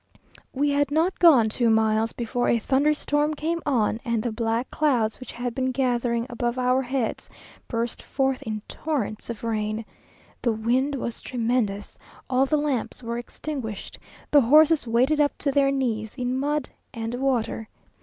We had not gone two miles before a thunderstorm came on; and the black clouds which had been gathering above our heads burst forth in torrents of rain. The wind was tremendous. All the lamps were extinguished. The horses waded up to their knees in mud and water.